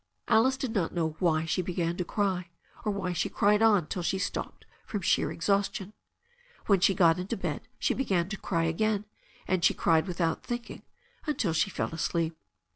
Alice did not know why she began to cry, or why she cried on till she stopped from sheer exhaustion. When she got into bed she began to cry again, and she cried without thinking until she fell asleep.